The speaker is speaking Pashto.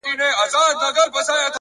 د ساده فکر ځواک لوی بدلون راولي,